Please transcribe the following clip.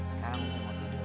sekarang gue mau tidur ya